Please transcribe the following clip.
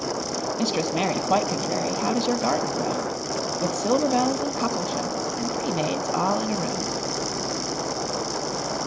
Mistress Mary, quite contrary, How does your garden grow? With silver bells and cockle shells And pretty maids all in a row.